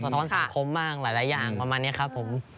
ท้อนสังคมบ้างหลายอย่างประมาณนี้ครับผม